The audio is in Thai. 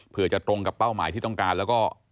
เพื่อจะตรงกับเป้าหมายที่ต้องการแล้วก็